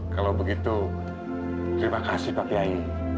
kalau begitu terima kasih pak kiai